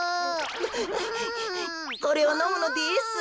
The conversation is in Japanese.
これをのむのです。